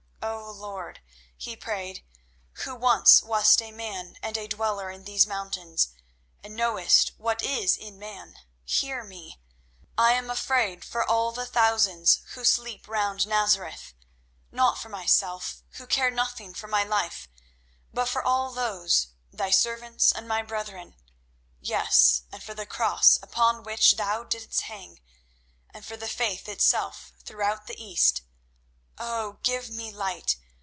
"O Lord," he prayed, "Who once wast man and a dweller in these mountains, and knowest what is in man, hear me. I am afraid for all the thousands who sleep round Nazareth; not for myself, who care nothing for my life, but for all those, Thy servants and my brethren. Yes, and for the Cross upon which Thou didst hang, and for the faith itself throughout the East. Oh! give me light!